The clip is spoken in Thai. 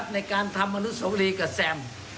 ในการทำอนุสวรีกับแซม